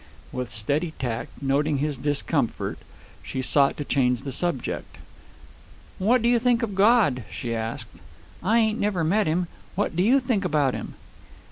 With ready tact, noting his discomfort, she sought to change the subject. "What do you think of God?" she asked. "I ain't never met him. What do you think about him?"